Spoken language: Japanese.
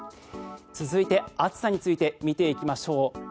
続いて暑さについて見ていきましょう。